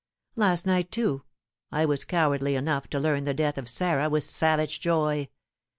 Last night, too, I was cowardly enough to learn the death of Sarah with savage joy.